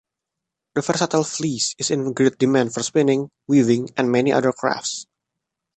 The versatile fleece is in great demand for spinning, weaving and many other crafts.